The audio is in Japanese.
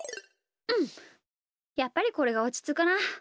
うんやっぱりこれがおちつくな。